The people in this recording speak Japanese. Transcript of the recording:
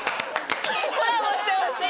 コラボしてほしい。